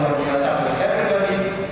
yang berbiasa untuk saya keganti